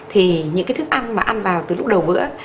thì những cái thức ăn mà ăn vào từ lúc đầu bữa